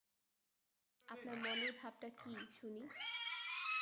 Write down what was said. আপনার মনের ভাবটা কী শুনি।